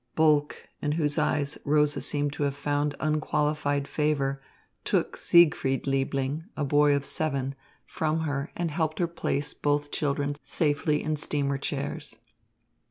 Bulke, in whose eyes Rosa seemed to have found unqualified favour, took Siegfried Liebling, a boy of seven, from her hand and helped her place both children safely in steamer chairs.